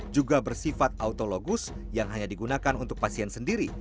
juga bersifat autologus yang hanya digunakan untuk pasien sendiri